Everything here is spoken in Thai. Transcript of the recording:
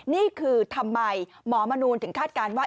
นี่คือทำไมหมอมนูลถึงคาดการณ์ว่า